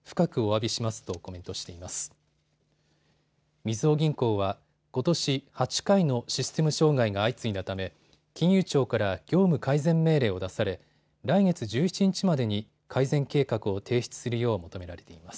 みずほ銀行は、ことし８回のシステム障害が相次いだため金融庁から業務改善命令を出され来月１７日までに改善計画を提出するよう求められています。